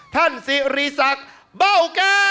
ท่านสิริศักดิ์เบ้าแก้ว